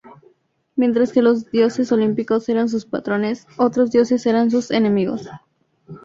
Mientras que los dioses olímpicos eran sus patrones, otros dioses eran sus enemigos.